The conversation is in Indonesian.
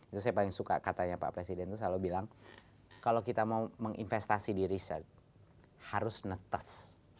itu saya paling suka katanya pak presiden itu selalu bilang kalau kita mau menginvestasi di riset harus netes